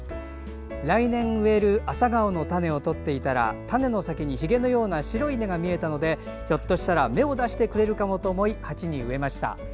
来年植えるアサガオの種をとっていたら種の先にひげのような白い根が見えたのでひょっとしたら芽を出してくれるかもと思い鉢に植えました。